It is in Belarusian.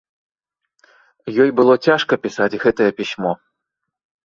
Ёй было цяжка пісаць гэтае пісьмо.